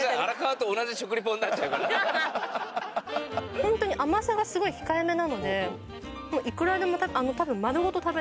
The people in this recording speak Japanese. ホントに甘さがすごい控えめなのでもういくらでも。